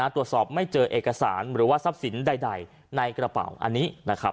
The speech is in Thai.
ตรวจสอบไม่เจอเอกสารหรือว่าทรัพย์สินใดในกระเป๋าอันนี้นะครับ